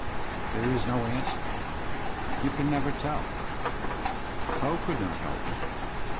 There is no answer. You never can tell. Poe could not help it.